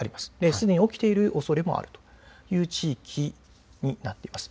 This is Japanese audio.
すでに起きているおそれもあるという地域になっています。